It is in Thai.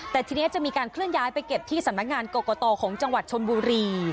แต่ทีนี้จะมีการเคลื่อนย้ายไปเก็บที่สำนักงานกรกตของจังหวัดชนบุรี